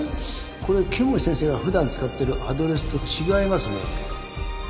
これ剣持先生が普段使ってるアドレスと違いますね